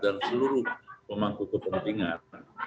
dan seluruh pemangku kepentingan